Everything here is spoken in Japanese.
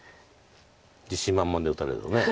自信満々で打たれるとね。